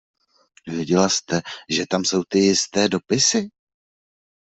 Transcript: Věděla jste, že tam jsou ty jisté dopisy.